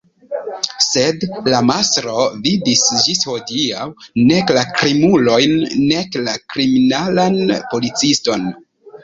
Sed la mastro vidis ĝis hodiaŭ nek la krimulojn nek la kriminalan policiston.